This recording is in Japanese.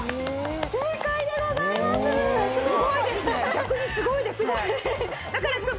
逆にすごいですね。